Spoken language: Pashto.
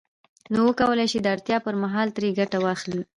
نو وکولای شي د اړتیا پر مهال ترې ګټه واخلي